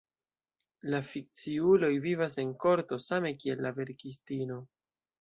La fikciuloj vivas en korto, same kiel la verkistino.